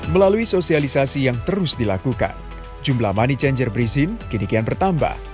melalui sosialisasi yang terus dilakukan jumlah money changer berizin kini kian bertambah